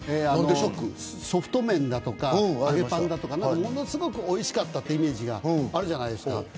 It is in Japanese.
ソフト麺だとか揚げパンだとかものすごくおいしかったイメージがあるじゃないですか。